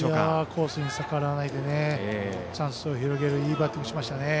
コースに逆らわないでチャンスを広げるいいバッティングしましたね。